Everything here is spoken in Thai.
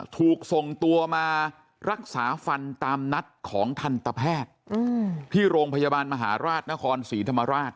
ถูกส่งตัวมารักษาฟันตามนัดของทันตแพทย์ที่โรงพยาบาลมหาราชนครศรีธรรมราช